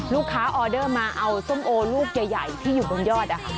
ออเดอร์มาเอาส้มโอลูกใหญ่ที่อยู่บนยอด